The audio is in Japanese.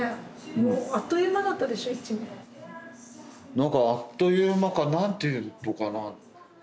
なんかあっという間か何て言うとかな。